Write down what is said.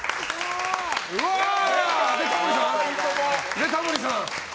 で、タモリさん。